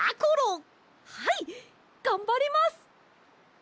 はいがんばります！